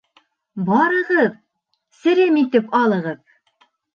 Барығыҙ, серем итеп алығыҙ